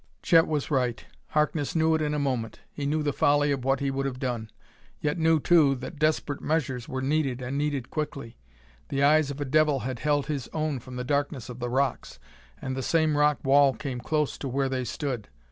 Chet was right: Harkness knew it in a moment. He knew the folly of what he would have done, yet knew, too, that desperate measures were needed and needed quickly. The eyes of a devil had held his own from the darkness of the rocks, and the same rock wall came close to where they stood.